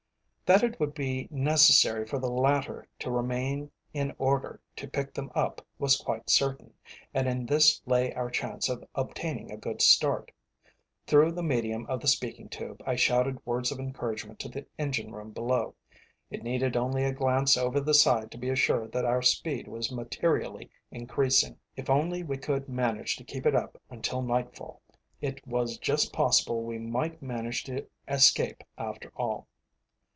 That it would be necessary for the latter to remain in order to pick them up was quite certain, and in this lay our chance of obtaining a good start. Through the medium of the speaking tube I shouted words of encouragement to the engine room below. It needed only a glance over the side to be assured that our speed was materially increasing. If only we could manage to keep it up until nightfall, it was just possible we might manage to escape after all.